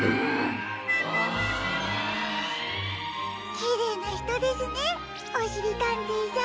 きれいなひとですねおしりたんていさん。